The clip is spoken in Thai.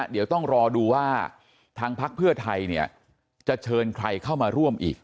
เดี๋ยวต้องรอดูว่าทางพักเพื่อไทยจะเชิญใครเข้ามาร่วมอีก